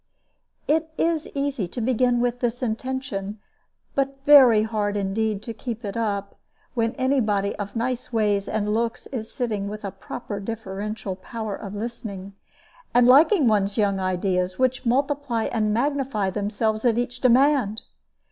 It is easy to begin with this intention, but very hard indeed to keep it up when any body of nice ways and looks is sitting with a proper deferential power of listening, and liking one's young ideas, which multiply and magnify themselves at each demand.